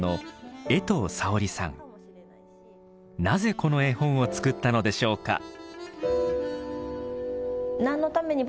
なぜこの絵本を作ったのでしょうか？